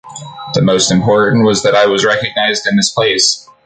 The most important was that I was recognized in this place.